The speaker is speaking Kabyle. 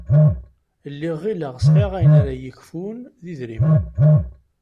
Lliɣ ɣilleɣ sεiɣ ayen ara y-ikfun d idrimen.